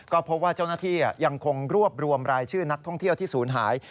ก็พบว่าเจ้าหน้าที่ยังคงรวบรวมรายชื่อนักท่องเที่ยวที่ศูนย์หาย